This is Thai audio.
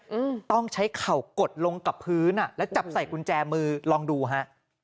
อืมต้องใช้เข่ากดลงกับพื้นอ่ะแล้วจับใส่กุญแจมือลองดูฮะ